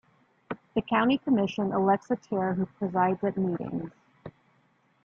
The county commission elects a chair who presides at meetings.